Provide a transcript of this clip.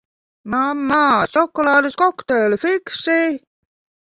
Mamma, šokolādes kokteili, fiksi!